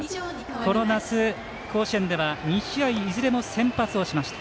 この夏、甲子園では２試合いずれも先発をしました。